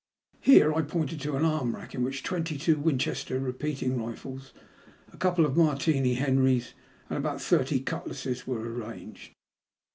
Here I pointed to an arm rack in which twenty two Winchester repeating rifles, a couple of Martini Henrisy and about thirty cutlasses were arranged.